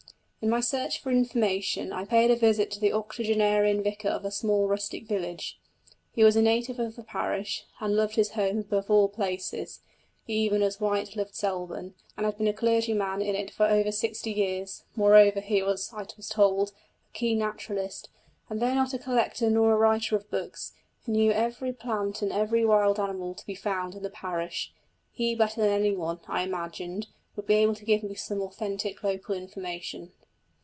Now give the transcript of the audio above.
In my search for information I paid a visit to the octogenarian vicar of a small rustic village. He was a native of the parish, and loved his home above all places, even as White loved Selborne, and had been a clergyman in it for over sixty years; moreover he was, I was told, a keen naturalist, and though not a collector nor a writer of books, he knew every plant and every wild animal to be found in the parish. He better than another, I imagined, would be able to give me some authentic local information.